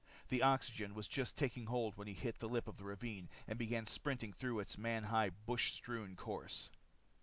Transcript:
The oxygen was just taking hold when he hit the lip of the ravine and began sprinting through its man high bush strewn course.